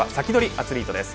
アツリートです。